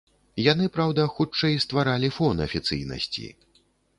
Яны, праўда, хутчэй стваралі фон афіцыйнасці.